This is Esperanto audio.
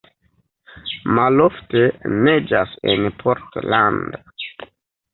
Malofte neĝas en Portland.